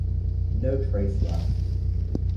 No trace left.